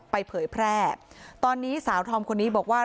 เผยแพร่ตอนนี้สาวธอมคนนี้บอกว่า